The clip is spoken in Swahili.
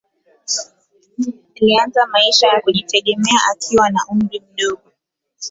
Alianza maisha ya kujitegemea akiwa na umri mdogo.